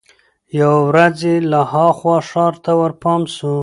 یوه ورځ یې له هوا ښار ته ورپام سو